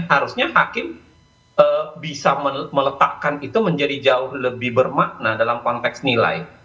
harusnya hakim bisa meletakkan itu menjadi jauh lebih bermakna dalam konteks nilai